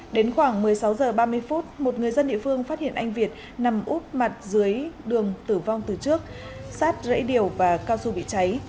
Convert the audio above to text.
đến khoảng một mươi sáu h ba mươi phút một người dân địa phương phát hiện anh việt nằm úp mặt dưới đường tử vong từ trước sát rẫy điều và cao su bị cháy